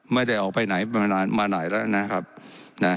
ไม่ได้ออกไปไหนมานานมาไหนแล้วนะครับนะ